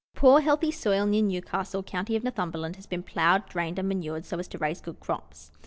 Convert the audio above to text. Poor, heathy soil, near Newcastle, county of Northumberland, has been ploughed, drained, and manured, so as to raise good crops.